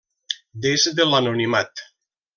Des de l'anonimat.